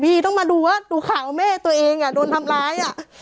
พี่ต้องมาดูว่าดูข่าวแม่ตัวเองอ่ะโดนทำร้ายอ่ะ